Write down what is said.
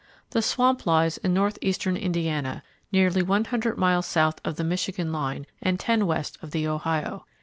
The swamp lies in north eastern Indiana, nearly one hundred miles south of the Michigan line and ten west of the Ohio.